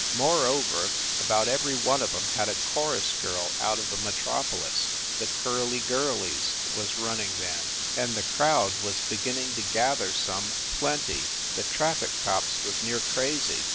Moreover, about every one of em had a chorus girl out of the Metropolis "The Curly Girlies" was running then and the crowd was beginning to gather some plenty the traffic cops was near crazy.